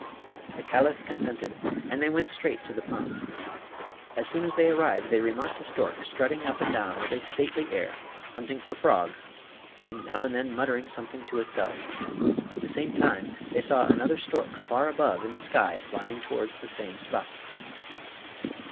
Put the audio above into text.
The Caliph consented, and they went straight to the pond. As soon as they arrived they remarked a stork strutting up and down with a stately air, hunting for frogs, and now and then muttering something to itself. At the same time they saw another stork far above in the sky flying towards the same spot.